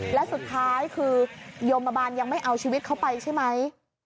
และสุดท้ายคือโยมบาลยังไม่เอาชีวิตเขาไปใช่ไหม